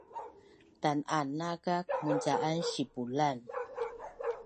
Tan’anakak munca’an sipulan